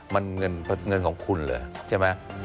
มันเงินของคุณเหรอใช่ไหม